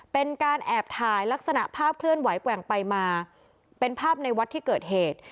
เป็นการแอบถ่ายลักษณะภาพเคลื่อนไหวแกว่งไปมาเป็นภาพในวัดที่เกิดเหตุ